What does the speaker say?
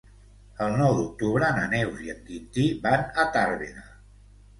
El nou d'octubre na Neus i en Quintí van a Tàrbena.